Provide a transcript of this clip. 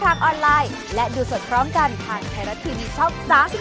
ไทยรัฐทีวีช็อป๓๒